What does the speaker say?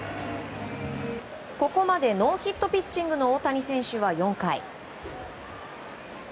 ここまでノーヒットピッチングの大谷選手は、４回。